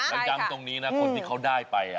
แล้วย้ำตรงนี้นะคนที่เขาได้ไป